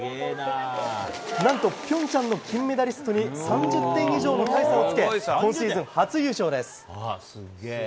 何と、平昌の金メダリストに３０点以上の大差をつけ今シーズン初優勝です！